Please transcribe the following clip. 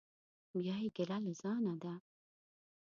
بیا یې ګیله له ځانه ده.